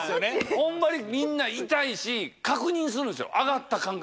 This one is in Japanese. ホンマにみんな痛いし確認するんすよ。